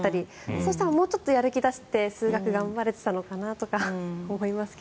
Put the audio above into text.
そしたらもうちょっとやる気を出して数学を頑張れたのかなとか思いますけど。